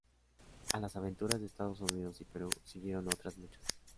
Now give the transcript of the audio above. A las "aventuras" de Estados Unidos y Perú siguieron otras muchas.